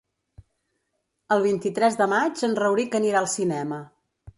El vint-i-tres de maig en Rauric anirà al cinema.